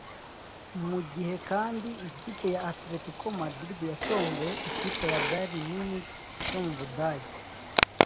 mu gihe kandi ikipe ya Atletico Madrid yatomboye ikipe ya Bayern Munich yo mu Budage